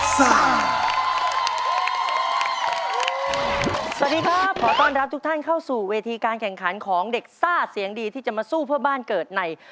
สวัสดีครับขอต้อนรับทุกท่านเข้าสู่เวทีการแข่งขันของเด็กซ่าเสียงดีที่จะมาสู้เพื่อบ้านเกิดใน